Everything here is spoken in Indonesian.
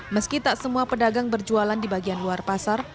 meski tak semua pedagang berjualan di bagian luar pasar